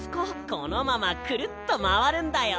このままクルッとまわるんだよ。